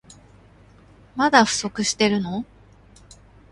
まだ不足してるの？